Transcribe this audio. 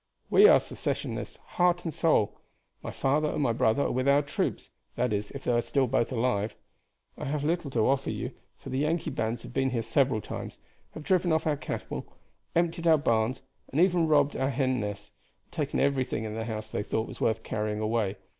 "We are Secessionists, heart and soul. My father and my brother are with our troops that is, if they are both alive. I have little to offer you, for the Yankee bands have been here several times, have driven off our cattle, emptied our barns, and even robbed our hen nests, and taken everything in the house they thought worth carrying away.